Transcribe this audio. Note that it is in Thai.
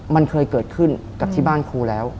มันเคยเกิดขึ้นกับที่บ้านครูแล้ว